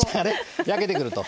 焼けてくると。